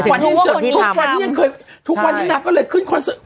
วันนี้เจอทุกวันนี้ยังเคยทุกวันนี้นางก็เลยขึ้นคอนเสิร์ต